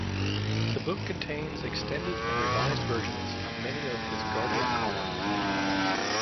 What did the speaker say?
The book contains extended and revised versions of many of his "Guardian" columns.